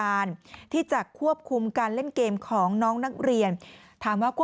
ฟังเสียงคุณแม่และก็น้องที่เสียชีวิตค่ะ